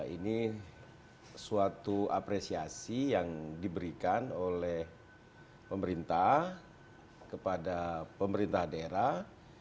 ini suatu apresiasi yang diberikan oleh pemerintah kepada pemerintah daerah